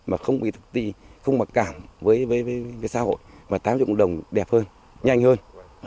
mà không bị tự ti không mặc cảm với xã hội mà tái vào cộng đồng đẹp hơn nhanh hơn